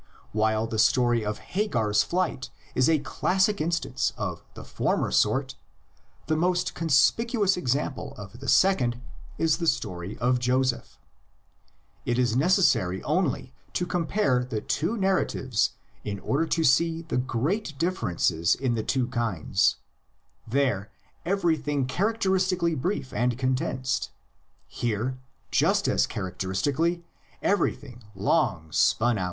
While the story of Hagar's flight is a classic instance of the former sort, the most conspicuous example of the second is the story of Joseph. It is necessary only to compare the two narratives in order to see the great differences in the two kinds: there, everything characteristically brief and condensed, here, just as characteristically, everything long spun out.